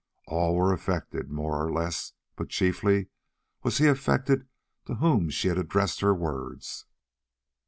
All were affected more or less, but chiefly was he affected to whom she had addressed her words.